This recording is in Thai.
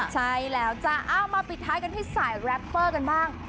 ใช่แล้วจ้ะมาปิดท้ายกันที่สายแรปเปอร์กันบ้าง